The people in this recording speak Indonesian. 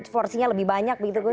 porsinya lebih banyak begitu gus